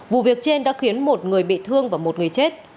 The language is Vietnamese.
vụ việc trên đã khiến một người bị thương và một người chết